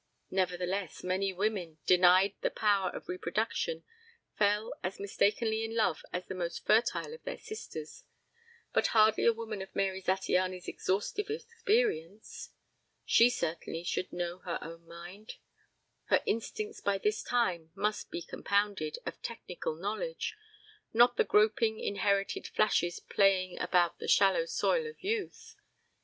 Nevertheless, many women, denied the power of reproduction fell as mistakenly in love as the most fertile of their sisters. But hardly a woman of Mary Zattiany's exhaustive experience! She certainly should know her own mind. Her instincts by this time must be compounded of technical knowledge, not the groping inherited flashes playing about the shallow soil of youth.